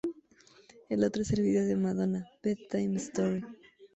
El otro es el vídeo de Madonna, Bedtime Story.